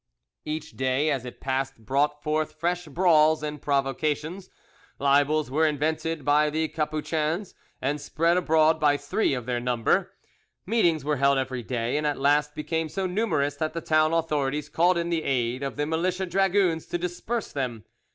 Each day as it passed brought forth fresh brawls and provocations: libels were invented by the Capuchins, and spread abroad by three of their number. Meetings were held every day, and at last became so numerous that the town authorities called in the aid of the militia dragoons to disperse them.